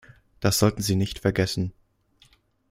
Das sollten Sie nicht vergessen.